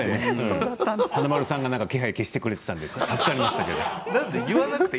華丸さんが気配を消してくれたので助かりました。